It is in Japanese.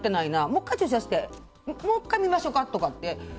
もう１回注射してもう１回見ましょうかって。